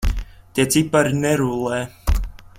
Tie cipari nerullē.